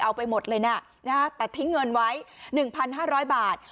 เอาไปหมดเลยน่ะนะฮะแต่ทิ้งเงินไว้หนึ่งพันห้าร้อยบาท